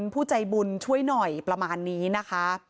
ผู้ใจบุญช่วยหน่อยประมาณนี้นะคะ